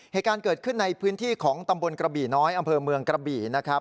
เหตุการณ์เกิดขึ้นในพื้นที่ของตำบลกระบี่น้อยอำเภอเมืองกระบี่นะครับ